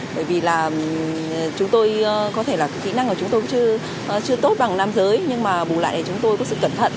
bởi vì là chúng tôi có thể là kỹ năng của chúng tôi cũng chưa tốt bằng nam giới nhưng mà bù lại chúng tôi có sự cẩn thận